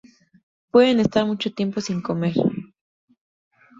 Pueden estar mucho tiempo sin comer.